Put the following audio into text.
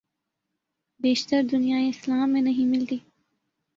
بیشتر دنیائے اسلام میں نہیں ملتی۔